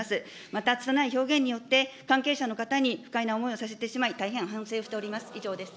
また、つたない表現について、関係者の方に不快な思いをさせてしまい、大変反省をしております。